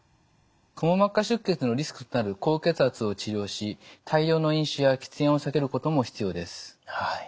くも膜下出血のリスクとなる高血圧を治療し大量の飲酒や喫煙を避けることも必要です。